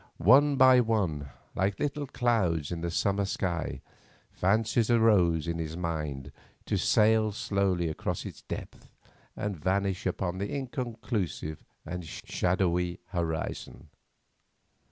One by one, like little clouds in the summer sky, fancies arose in his mind to sail slowly across its depth and vanish upon an inconclusive and shadowy horizon.